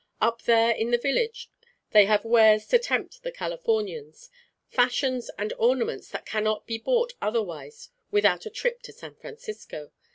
Up there in the village they have wares to tempt the Californians, fashions and ornaments that cannot be bought otherwise without a trip to San Francisco.